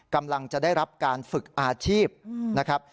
กำลังจะได้รับการฝึกอาชีพนะครับ